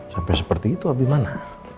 sampai seperti itu abimane